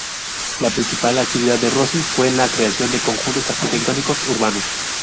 La principal actividad de Rossi fue la creación de conjuntos arquitectónicos urbanos.